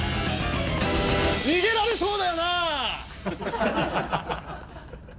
逃げられそうだよな？